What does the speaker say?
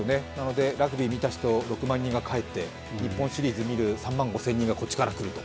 ラグビー見た人６万人が帰って日本シリーズ見る３万５０００人がこっちから来ると。